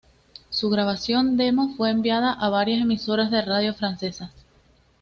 Su grabación demo fue enviada a varias emisoras de radio francesas.